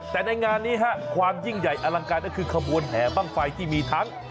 แต่ในงานนี้ความยิ่งใหญ่อลังการก็คือขบวนแห่บ้างไฟที่มีทั้ง